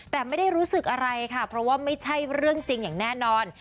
แต่ไม่ได้รู้สึกอะไรค่ะเพราะว่าไม่ใช่เรื่องจริงอย่างแน่นอน